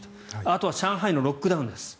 あとは上海のロックダウンです。